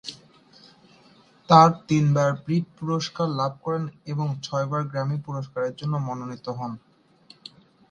তার তিনবার ব্রিট পুরস্কার লাভ করেন এবং ছয়বার গ্র্যামি পুরস্কারের জন্য মনোনীত হন।